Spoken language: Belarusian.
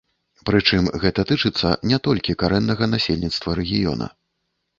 Прычым гэта тычыцца не толькі карэннага насельніцтва рэгіёна.